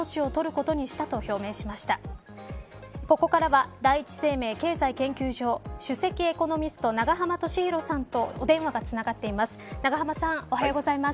ここからは、第一生命経済研究所首席エコノミスト永濱利廣さんと電話がつながっています。